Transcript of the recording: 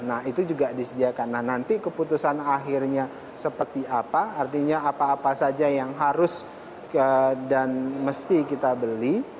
nah itu juga disediakan nah nanti keputusan akhirnya seperti apa artinya apa apa saja yang harus dan mesti kita beli